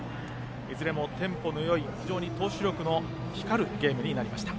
いずれもテンポのよい非常に投手力の光るゲームになりました。